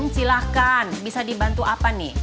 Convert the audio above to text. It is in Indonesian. silahkan bisa dibantu apa nih